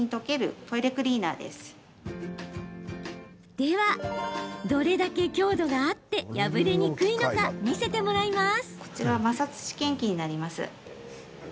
では、どれだけ強度があって破れにくいのか見せてもらいます。